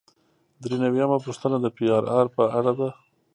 درې نوي یمه پوښتنه د پی آر آر په اړه ده.